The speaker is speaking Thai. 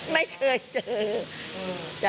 ไม่เคยเจอตั้งแต่